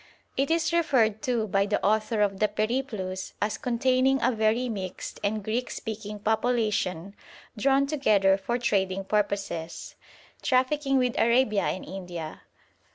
It is referred to by the author of the 'Periplus' as containing a very mixed and Greek speaking population drawn together for trading purposes, trafficking with Arabia and India.